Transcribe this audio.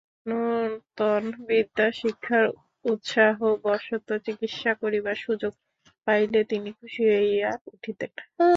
নূতন বিদ্যাশিক্ষার উৎসাহবশত চিকিৎসা করিবার সুযোগ পাইলে তিনি খুশি হইয়া উঠিতেন।